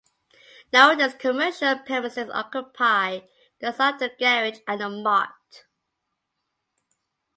Nowadays commercial premises occupy the site of the garage and the mart.